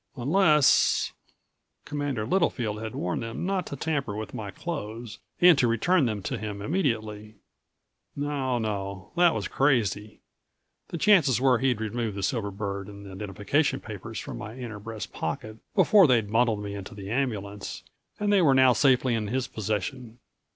Unless Commander Littlefield had warned them not to tamper with my clothes and to return them to him immediately. No, no that was crazy. The chances were he'd removed the silver bird and the identification papers from my inner breast pocket before they'd bundled me into the ambulance and they were now safely in his possession.